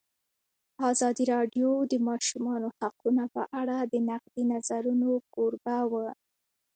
ازادي راډیو د د ماشومانو حقونه په اړه د نقدي نظرونو کوربه وه.